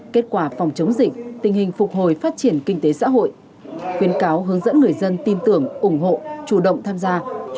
kết quả phòng chống dịch tình hình phục hồi phát triển kinh tế xã hội khuyên cáo hướng dẫn người dân tin tưởng ủng hộ chủ động tham gia